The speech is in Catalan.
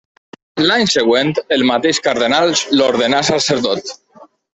L'any següent, el mateix cardenal l'ordenà sacerdot.